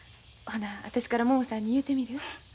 ほな私からももさんに言うてみる。